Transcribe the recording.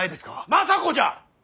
政子じゃ！